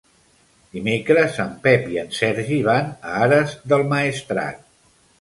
Dimecres en Pep i en Sergi van a Ares del Maestrat.